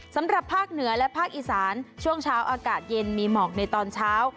สำหรับภาคเหนือและภาคอีสานช่วงเช้าอากาศเย็นมีหมอกในตอนเช้า